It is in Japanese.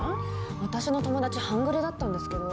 私の友達半グレだったんですけど。